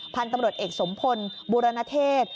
พันธุ์ตำรวจเอกสมพลบูรณเทศ